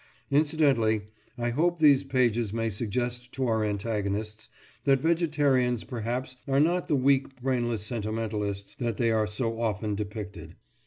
Incidentally, I hope these pages may suggest to our antagonists that vegetarians, perhaps, are not the weak brainless sentimentalists that they are so often depicted.